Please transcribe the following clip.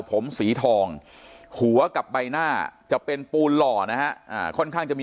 ผมสีทองหัวกับใบหน้าจะเป็นปูนหล่อนะฮะค่อนข้างจะมี